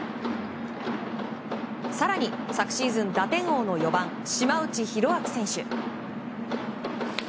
更に、昨シーズン打点王の４番島内宏明選手。